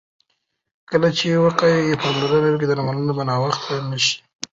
کله چې وقایوي پاملرنه وي، درملنه به ناوخته نه شي.